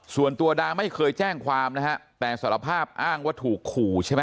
ส่วนตัวดาไม่เคยแจ้งความนะฮะแต่สารภาพอ้างว่าถูกขู่ใช่ไหม